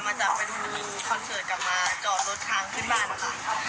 พวกหนูกำลังมาจากไปดูคอนเซิร์ตกลับมาจอดรถทางขึ้นบ้าน